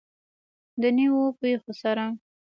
د نویو پیښو سره.